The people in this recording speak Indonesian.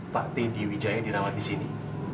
pak t diwijaya dirawat di sini